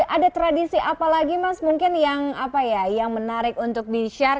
ada tradisi apa lagi mas mungkin yang menarik untuk di share